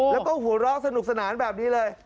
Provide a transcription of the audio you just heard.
แล้วก็หัวเราะสนุกสนานแบบนี้เลย